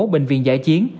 bệnh viện giải chiến